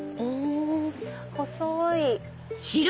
細い！